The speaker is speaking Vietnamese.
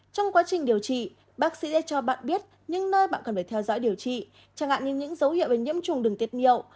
trong quá trình điều trị bác sĩ cho bạn biết những nơi bạn cần phải theo dõi điều trị chẳng hạn như những dấu hiệu về nhiễm trùng đường tiệt